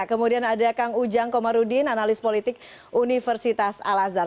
kemudian ada kang ujang komarudin analis politik universitas al azhar